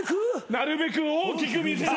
なるべく大きく見せる。